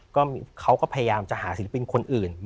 ก็เขาก็พยายามจะหาศิลปินคนอื่น